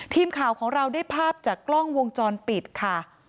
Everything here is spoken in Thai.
ทีมข่าวของเราได้ภาพจากกล้องวงจรปิดค่ะ